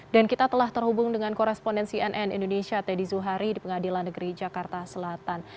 dan kita telah terhubung dengan korespondensi nn indonesia teddy zuhari di pengadilan negeri jakarta selatan